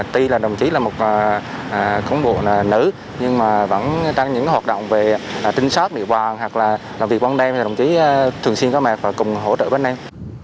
tuy là đồng chí là một công bộ nữ nhưng mà vẫn đang những hoạt động về tinh sát địa bàn hoặc là làm việc quan đêm thì đồng chí thường xuyên có mẹ và cùng hỗ trợ bên em